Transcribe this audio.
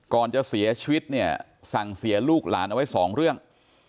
ก่อนจะเสียชีวิตเนี่ยสั่งเสียลูกหลานเอาไว้สองเรื่อง